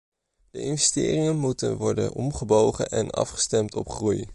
De investeringen moeten worden omgebogen en afgestemd op groei.